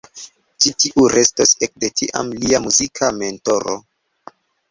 Ĉi tiu restos ekde tiam lia muzika mentoro.